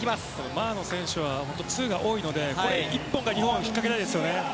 マー選手はツーが多いので日本が引っかけたいです。